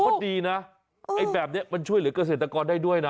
ก็ดีนะมันช่วยกับเกษตรกรได้ด้วยนะ